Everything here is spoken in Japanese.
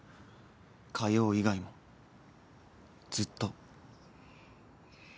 火曜以外もずっと。